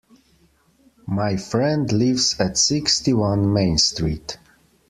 My friend lives at sixty-one Main Street